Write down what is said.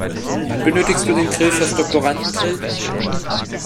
Wann benötigst du den Grill fürs Doktorandengrillen?